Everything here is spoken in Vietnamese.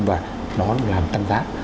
và nó làm tăng giá